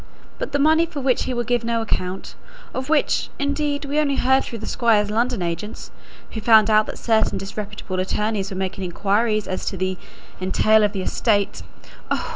But the money for which he will give no account, of which, indeed, we only heard through the Squire's London agents, who found out that certain disreputable attorneys were making inquiries as to the entail of the estate; oh!